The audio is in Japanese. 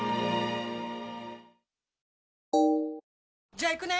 じゃあ行くね！